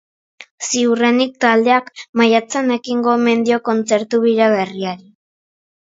Ziurrenik, taldeak maiatzean ekingo omen dio kontzertu-bira berriari.